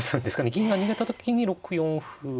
銀が逃げた時に６四歩なのか。